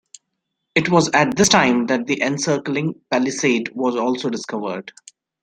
It was at this time that the encircling palisade was also discovered.